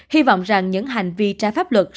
hy vọng rằng những hành vi trả pháp luật